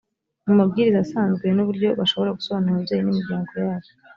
mu mabwiriza asanzwe ni uburyo bashobora gusobanurira ababyeyi n’imiryango yabo